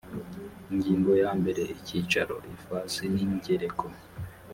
ingingo ya mbere icyicaro ifasi n ingereko